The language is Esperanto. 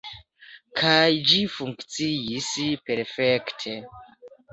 Kaj ĝi funkciis perfekte.